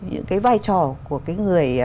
những cái vai trò của cái người